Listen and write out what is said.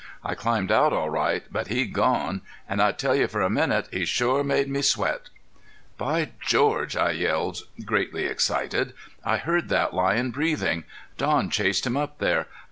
I climbed out all right but he'd gone. An' I'll tell you for a minute, he shore made me sweat." "By George!" I yelled, greatly excited. "I heard that lion breathing. Don chased him up there.